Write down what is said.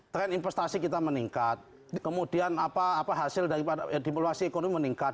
tren investasi kita meningkat kemudian hasil dari diplomasi ekonomi meningkat